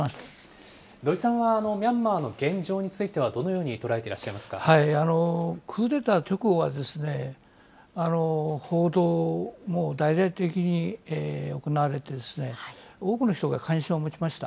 土井さんはミャンマーの現状についてはどのように捉えていらクーデター直後はですね、報道も大々的に行われて、多くの人が関心を持ちました。